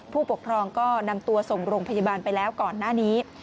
ผู้ปกครองก็นำตัวส่งโรงพยาบาลไปแล้วก่อนหน้านี้